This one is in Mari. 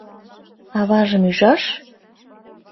Аважым ӱжаш?